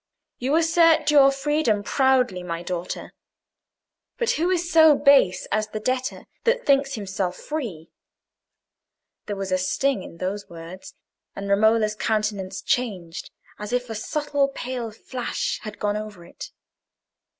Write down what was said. "You assert your freedom proudly, my daughter. But who is so base as the debtor that thinks himself free?" There was a sting in those words, and Romola's countenance changed as if a subtle pale flash had gone over it.